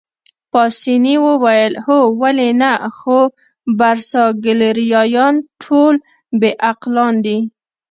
پاسیني وویل: هو ولې نه، خو برساګلیریايان ټول بې عقلان دي.